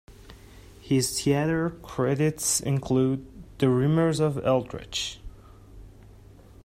His theatre credits include "The Rimers of Eldritch".